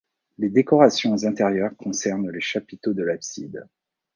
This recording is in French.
Les décorations intérieures concernent les chapiteaux de l'abside.